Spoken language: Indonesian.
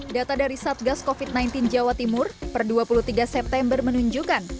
data dari satgas covid sembilan belas jawa timur per dua puluh tiga september menunjukkan